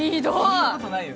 そんなことないよ。